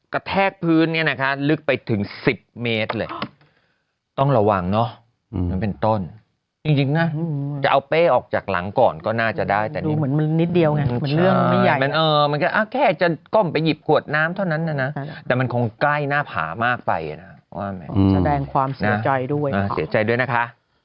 แทกพื้นเนี่ยนะคะลึกไปถึง๑๐เมตรเลยต้องระวังเนอะมันเป็นต้นจริงนะจะเอาเป้ออกจากหลังก่อนก็น่าจะได้แต่ดูเหมือนมันนิดเดียวไงมันเรื่องไม่ใหญ่มันก็แค่จะก้มไปหยิบขวดน้ำเท่านั้นนะนะแต่มันคงใกล้หน้าผามากไปนะแสดงความเสียใจด้วยเสียใจด้วยนะคะ